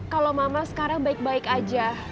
kalau mama sekarang baik baik aja